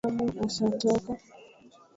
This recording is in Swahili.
Binamu ashatoka